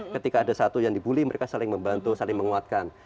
ketika ada satu yang dibully mereka saling membantu saling menguatkan